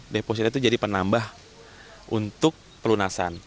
depositnya itu jadi penambah untuk pelunasan